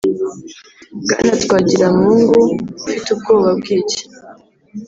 Bwana Twagiramungu, ufite ubwoba bw'iki?